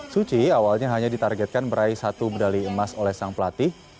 suci awalnya hanya ditargetkan meraih satu medali emas oleh sang pelatih